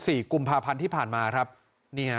ส่งมาขอความช่วยเหลือจากเพื่อนครับ